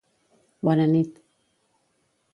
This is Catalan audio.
Bona nit.